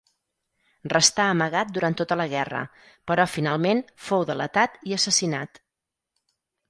Restà amagat durant tota la guerra, però finalment fou delatat i assassinat.